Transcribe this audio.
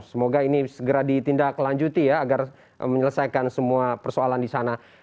semoga ini segera ditindaklanjuti ya agar menyelesaikan semua persoalan di sana